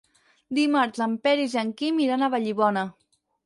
Dimarts en Peris i en Quim iran a Vallibona.